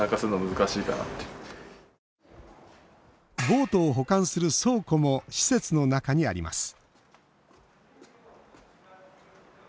ボートを保管する倉庫も施設の中にあります。